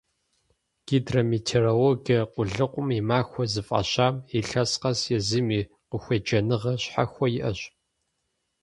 «Гидрометеорологие къулыкъум и махуэ» зыфӀащам илъэс къэс езым и къыхуеджэныгъэ щхьэхуэ иӀэщ.